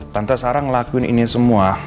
tante sarah ngelakuin ini semua